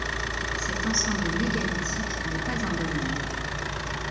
Cet ensemble mégalithique n'est pas un dolmen.